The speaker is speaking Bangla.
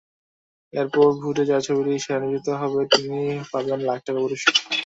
এরপর ভোটে যাঁর ছবিটি সেরা নির্বাচিত হবে, তিনি পাবেন লাখ টাকা পুরস্কার।